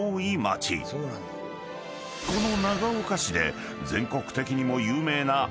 ［この］